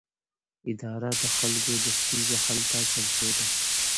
اداره د خلکو د ستونزو حل ته چمتو ده.